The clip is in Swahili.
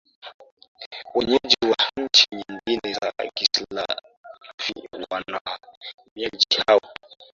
wenyeji wa nchi nyingine za Kislavi Wahamiaji hao